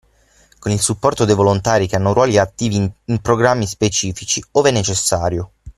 Con il supporto dei volontari che hanno ruoli attivi in programmi specifici, ove necessario.